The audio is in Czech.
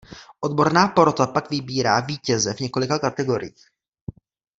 Odborná porota pak vybírá „vítěze“ v několika kategoriích.